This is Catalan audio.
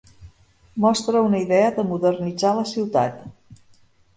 Mostra una idea de modernitzar la ciutat.